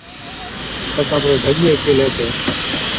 تڪا پر ڍڳِيئَي ڪيهلَي تہ،